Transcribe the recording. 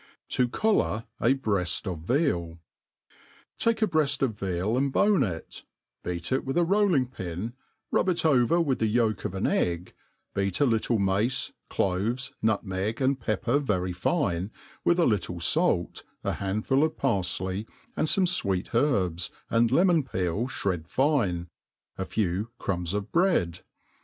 Tq collar a Br toft of VeaU TAKE a breaft of veal, and bone it; beat it with a roH ing pin, rub it over with the yolk of an egg, beat a little mace, cloves,' nutmeg, and pepper very fine, with a little fair, a handful of parfley, and fome fweet herbs, and lemon peef (hred fine, a few crumbs of bread.